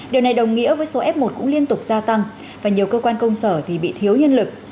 điều này đồng nghĩa với số f một cũng liên tục gia tăng và nhiều cơ quan công sở thì bị thiếu nhân lực